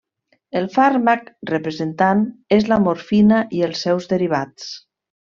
El fàrmac representant és la morfina i els seus derivats.